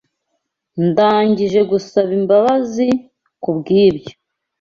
Ndangije gusaba imbabazi kubwibyo.